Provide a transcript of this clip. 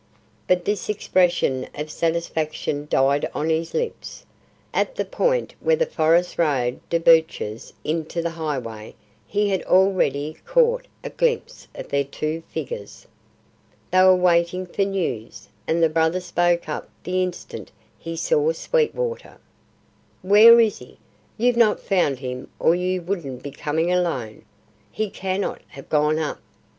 But this expression of satisfaction died on his lips. At the point where the forest road debouches into the highway, he had already caught a glimpse of their two figures. They were waiting for news, and the brother spoke up the instant he saw Sweetwater: "Where is he? You've not found him or you wouldn't be coming alone. He cannot have gone up.